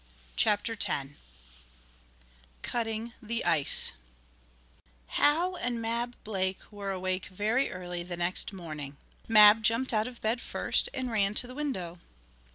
CHAPTER X CUTTING THE ICE Hal and Mab Blake were awake very early the next morning. Mab jumped out of bed first and ran to the window.